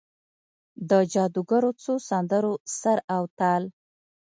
د جادوګرو څو سندرو سر او تال،